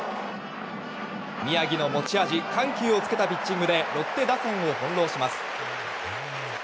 宮城の持ち味緩急をつけたピッチングでロッテ打線を翻弄します。